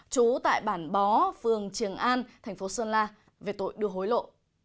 trú tại bản bó phường triềng an thành phố sơn la về tội đưa hối lộ